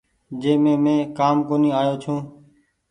جنهن مي مين ڪآم ڪونيٚ آئو ڇون ۔